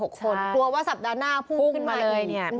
กลัวว่าสัปดาห์หน้าพุ่งขึ้นมาเลยเนี่ย